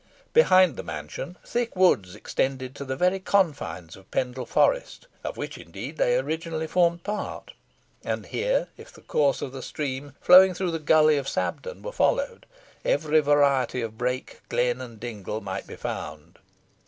Behind the mansion, thick woods extended to the very confines of Pendle Forest, of which, indeed, they originally formed part, and here, if the course of the stream, flowing through the gully of Sabden, were followed, every variety of brake, glen, and dingle, might be found.